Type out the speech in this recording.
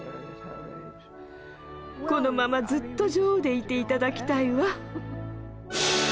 このままずっと女王でいて頂きたいわ。